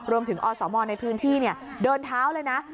รวมถึงออสหมอนในพื้นที่เดินเท้าเลยนะ